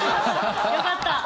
よかった。